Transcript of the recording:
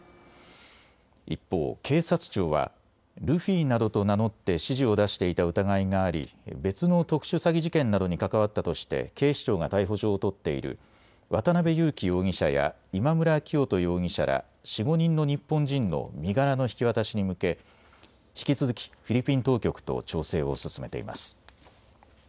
一方、警察庁はルフィなどと名乗って指示を出していた疑いがあり、別の特殊詐欺事件などに関わったとして警視庁が逮捕状を取っている渡邉優樹容疑者や今村磨人容疑者ら４、５人の日本人の身柄の引き渡しに向け、引き続きフィリピン当局と調整を進めています。